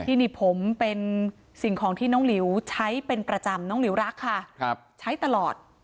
ที่นี่ผมเป็นสิ่งของที่น้องหลิวใช้เป็นประจำน้องหลิวรักค่ะใช้ตลอด